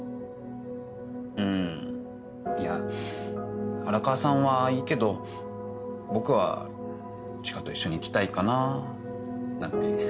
うんいや荒川さんはいいけど僕は知花と一緒に行きたいかななんて。